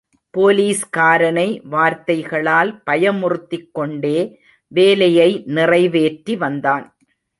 போலீஸ்காரனை வார்த்தைகளால் பயமுறுத்திக்கொண்டே வேலையை நிறைவேற்றிவந்தான்.